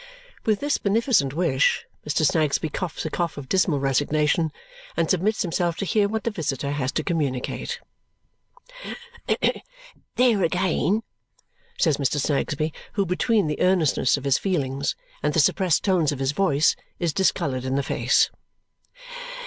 With this beneficent wish, Mr. Snagsby coughs a cough of dismal resignation and submits himself to hear what the visitor has to communicate. "There again!" says Mr. Snagsby, who, between the earnestness of his feelings and the suppressed tones of his voice is discoloured in the face.